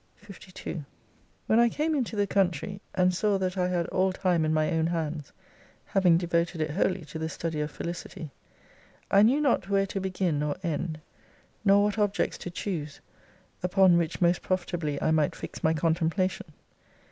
52 When I came into the country, and saw that I had all time in my own hands, having devoted it wholly to the study of Felicity, I knew not where to begin or end ; nor what objects to choose, upon which most profitably I might fix my contemplation.